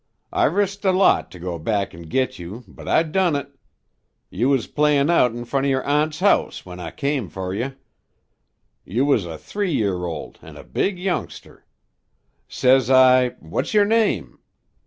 I risked a lot to go back an' git you, but I done it. You was playin' out in front of yer aunt's house an' I come fer you. You was a three year old an' a big youngster. Says I, 'What's yer name?'